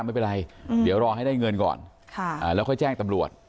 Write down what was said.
ไม่เป็นไรเดี๋ยวรอให้ได้เงินก่อนแล้วค่อยแจ้งตำรวจ